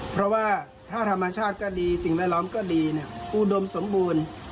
เพราะว่าถ้าธรรมชาติก็ดีสิ่งแวดล้อมก็ดีอุดมสมบูรณ์